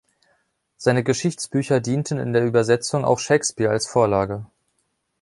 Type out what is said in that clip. Seine Geschichtsbücher dienten in der Übersetzung auch Shakespeare als Vorlage.